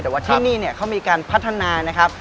แต่ว่าที่นี่เนี่ยเขามีการพัฒนานะครับ